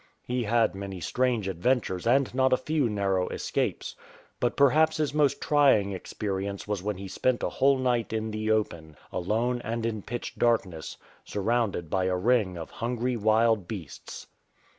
He had many strange adventures and not a few narrow escapes. But perhaps his most trying experience was when he spent a whole night in the open, alone and in pitch darkness, surrounded by a ring of hungry wild beasts.